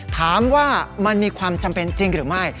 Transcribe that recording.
ถามว่ามันมีความจำเป็นจริงหรือไม่